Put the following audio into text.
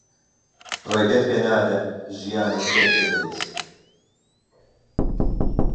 ڕێگەت پێ نادەم ژیانت تێک بدەیت.